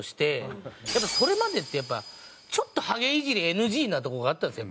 それまでってやっぱちょっとハゲイジりＮＧなとこがあったんですよ